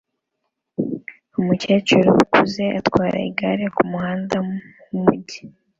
Umukecuru ukuze atwara igare kumuhanda wumujyi